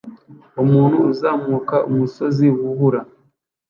Umuntu azamuka umusozi wubura